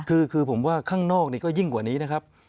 คือผมว่าข้างนอกนี่ก็ยิ่งกว่านี้นะครับ